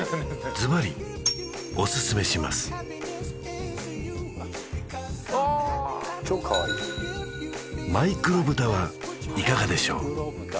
ズバリオススメしますああ超かわいいマイクロブタはいかがでしょう？